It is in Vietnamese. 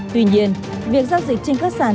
tuy nhiên việc giao dịch trên các sản tiền ảo